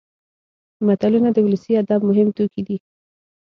متلونه د ولسي ادب مهم توکي دي